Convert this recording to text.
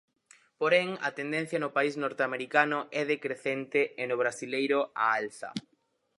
Porén, a tendencia no país norteamericano é decrecente e no brasileiro, á alza.